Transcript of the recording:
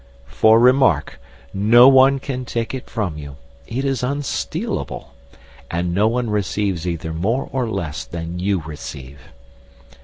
For remark! No one can take it from you. It is unstealable. And no one receives either more or less than you receive.